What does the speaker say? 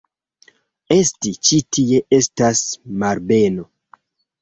Esti ĉi tie estas malbeno.